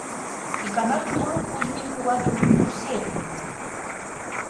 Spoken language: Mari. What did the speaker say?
Икана тулык Кузьмин кува тудым вурсен: